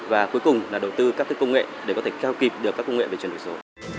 và cuối cùng là đầu tư các thức công nghệ để có thể cao kịp được các công nghệ về truyền hợp số